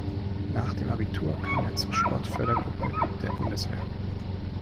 Nach dem Abitur kam er zur Sportfördergruppe der Bundeswehr.